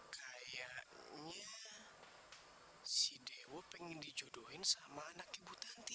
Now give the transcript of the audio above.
kayaknya si dewo pengen dijodohin sama anak ibu tanti